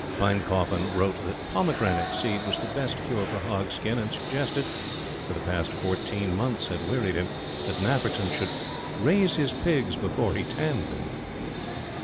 Pinecoffin wrote that pomegranate seed was the best cure for hog skin, and suggested for the past fourteen months had wearied him that Nafferton should "raise his pigs before he tanned them."